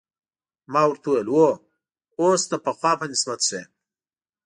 ما ورته وویل: هو، اوس د پخوا په نسبت ښه یم.